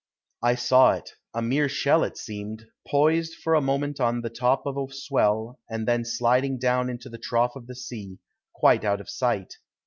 I saw it; a mere shell it seemed, poised for a moment on the top of a swell, and then sliding down into the trough of the sea, quite out of sight.